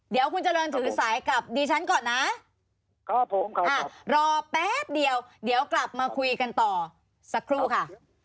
เดี๋ยวคุณเจริญถือสายกลับดิฉันก่อนนะครับผมครับรอแป๊บเดียวเดี๋ยวกลับมาคุยกันต่อสักครู่ค่ะ